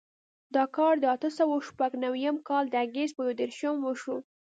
دا کار د اتو سوو شپږ نوېم کال د اګست په یودېرشم وشو.